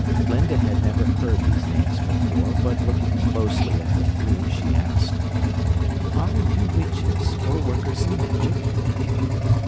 Glinda had never heard these names before, but looking closely at the three she asked: "Are you witches or workers in magic?"